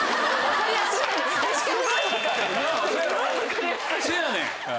そうやねん。